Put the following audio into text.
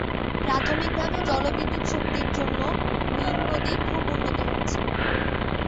প্রাথমিকভাবে জলবিদ্যুৎ শক্তির জন্য, মিন নদী খুব উন্নত হচ্ছে।